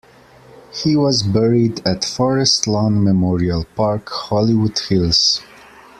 He was buried at Forest Lawn Memorial Park, Hollywood Hills.